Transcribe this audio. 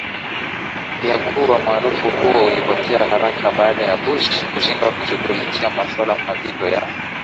vya Ghuba umaarufu huo ulipotea haraka baada ya Bush kushindwa kushughulikia masuala mazito ya